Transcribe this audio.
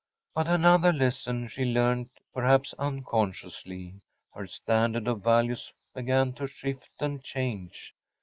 But, another lesson she learned, perhaps unconsciously. Her standard of values began to shift and change.